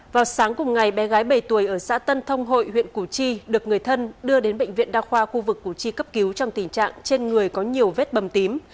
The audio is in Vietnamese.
vào sáng cùng ngày bé gái bảy tuổi ở xã tân thông hội huyện củ chi được người thân đưa đến bệnh viện đa khoa khu vực củ chi cấp cứu trong tình trạng trên người có nhiều vết bầm tím